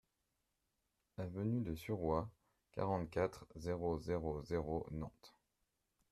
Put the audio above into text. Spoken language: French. Avenue de Suroit, quarante-quatre, zéro zéro zéro Nantes